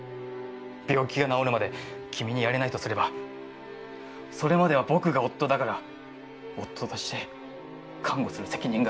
病気が治るまで君に遣れないとすれば、それまでは僕が夫だから、夫として看護する責任がある。